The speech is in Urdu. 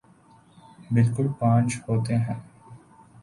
بالکل پانچ ہوتے ہیں